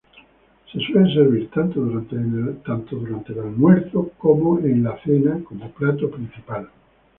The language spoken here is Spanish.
Se suele servir tanto durante en el almuerzo como la cena como plato principal.